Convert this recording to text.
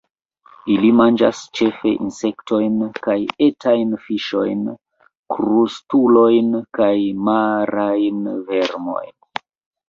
Ili manĝas ĉefe insektojn kaj etajn fiŝojn, krustulojn kaj marajn vermojn.